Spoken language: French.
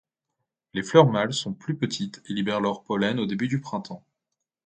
Les fleurs mâles sont plus petites et libèrent leur pollen au début du printemps.